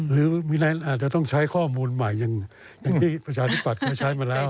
หรือมีแน่นอนจะต้องใช้ข้อมูลใหม่อย่างที่ประชาธิปัตห์ก็ใช้มาแล้ว